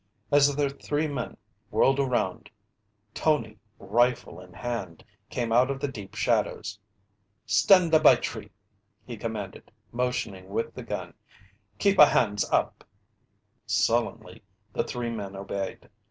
As the three men whirled around, Tony, rifle in hand, came out of the deep shadows. "Stand a by tree!" he commanded, motioning with the gun. "Keep a hands up!" Sullenly the three men obeyed.